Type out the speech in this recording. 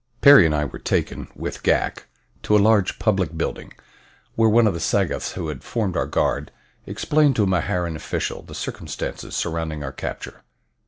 Perry and I were taken, with Ghak, to a large public building, where one of the Sagoths who had formed our guard explained to a Maharan official the circumstances surrounding our capture.